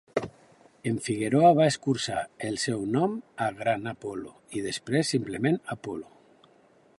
Figueroa va escurçar el seu nom a Gran Apolo, i després simplement Apolo.